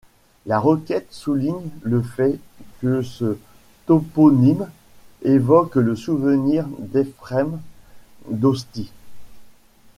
La requête souligne le fait que ce toponyme évoque le souvenir d'Éphrem Dostie.